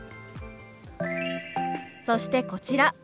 そしてこちら。